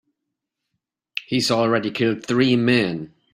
He's already killed three men.